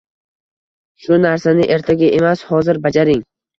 Shu narsani ertaga emas, hozir bajaring.